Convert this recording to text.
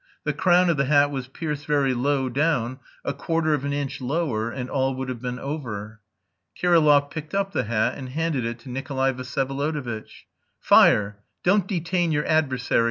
The crown of the hat was pierced very low down; a quarter of an inch lower and all would have been over. Kirillov picked up the hat and handed it to Nikolay Vsyevolodovitch. "Fire; don't detain your adversary!"